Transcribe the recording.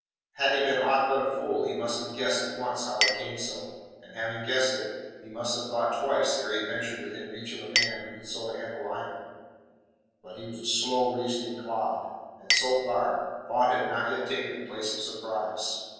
Had he been aught but a fool he must have guessed at once how it came so, and having guessed it, he must have thought twice ere he ventured within reach of a man who could so handle iron. But he was a slow reasoning clod, and so far, thought had not yet taken the place of surprise.